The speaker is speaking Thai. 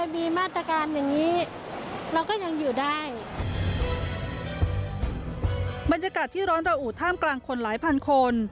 บรรยากาศที่ร้อนระอุท่ามกลางคนหลายพันคน